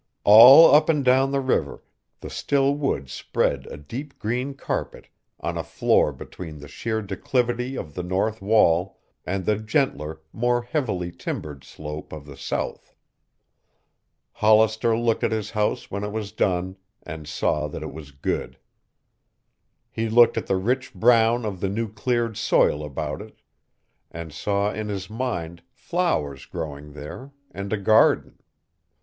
All up and down the river the still woods spread a deep green carpet on a floor between the sheer declivity of the north wall and the gentler, more heavily timbered slope of the south. Hollister looked at his house when it was done and saw that it was good. He looked at the rich brown of the new cleared soil about it, and saw in his mind flowers growing there, and a garden.